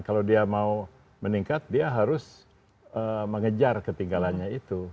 kalau dia mau meningkat dia harus mengejar ketinggalannya itu